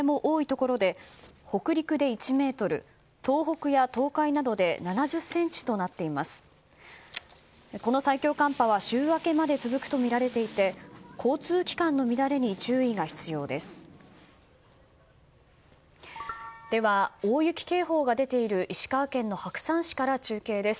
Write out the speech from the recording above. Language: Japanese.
この最強寒波は週明けまで続くとみられていて交通機関の乱れに注意が必要です。